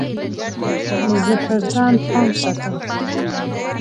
زه پر ځان پام ساتم.